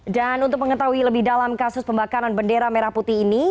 dan untuk mengetahui lebih dalam kasus pembakaran bendera merah putih ini